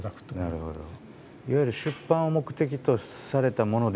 なるほど。